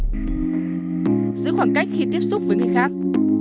giữ khoảng cách khi tiếp xúc với người khác